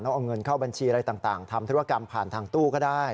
เอาเงินเข้าบัญชีอะไรต่างทำธุรกรรมผ่านทางตู้ก็ได้